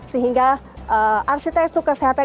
sehingga arsitektur kesehatan